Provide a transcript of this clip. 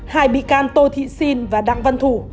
hai bị can tô thị xin và đặng văn thủ